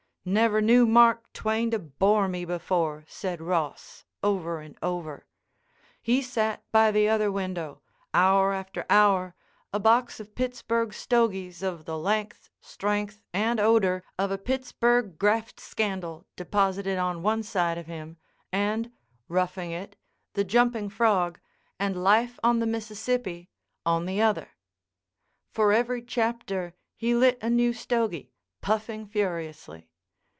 "Never knew Mark Twain to bore me before," said Ross, over and over. He sat by the other window, hour after hour, a box of Pittsburg stogies of the length, strength, and odor of a Pittsburg graft scandal deposited on one side of him, and "Roughing It," "The Jumping Frog," and "Life on the Mississippi" on the other. For every chapter he lit a new stogy, puffing furiously.